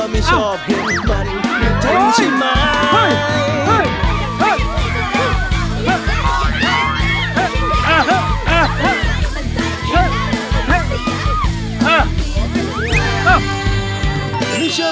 พี่น้องป้องปากใจเย็น